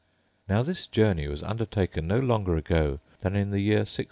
Now this journey was undertaken no longer ago than in the year 1663.